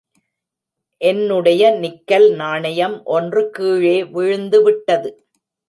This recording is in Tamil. என்னுடைய நிக்கல் நாணயம் ஒன்று கீழே விழுந்து விட்டது.